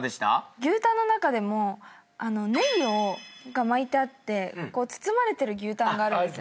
牛タンの中でもネギが巻いてあって包まれてる牛タンがあるんですよ。